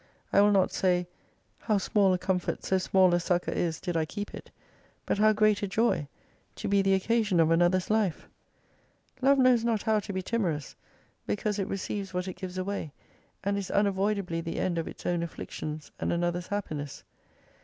I will not say, How small a comfort so small a succour is did I keep it : but how great a joy, to be the occasion of another's life ! Love knows not how to be timor ous, because it receives what it gives away, and is unavoidably the end of its own afflictions and another's happiness.